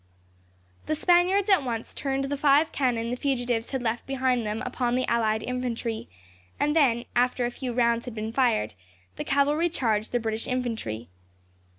The Spaniards at once turned the five cannon the fugitives had left behind them upon the allied infantry, and then, after a few rounds had been fired, the cavalry charged the British infantry.